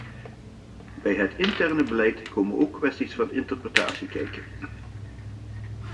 Bij het interne beleid komen ook kwesties van interpretatie kijken.